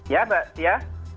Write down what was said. ya mbak tia